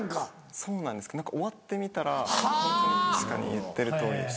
そうなんですけど終わってみたら確かに言ってるとおりでした。